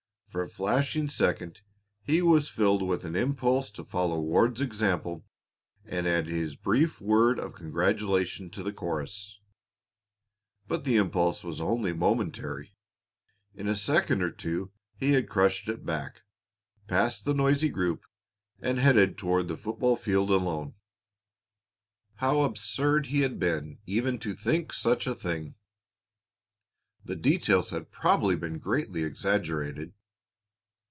For a flashing second he was filled with an impulse to follow Ward's example and add his brief word of congratulation to the chorus, but the impulse was only momentary. In a second or two he had crushed it back, passed the noisy group, and headed toward the football field alone. How absurd he had been even to think of such a thing! The details had probably been greatly exaggerated.